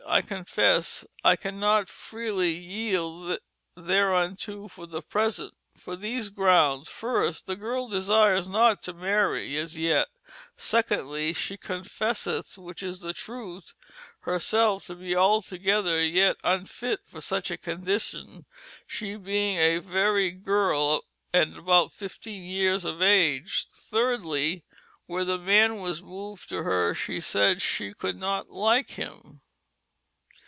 I confesse I cannot freelie yeald thereunto for the present, for these grounds. ffirst: The girle desires not to mary as yet. 2ndlee: Shee confesseth (which is the truth) hereselfe to be altogether yett vnfitt for such a condition, shee beinge a verie girl and but 15 yeares of age. 3rdlie: Where the man was moved to her shee said shee could not like him.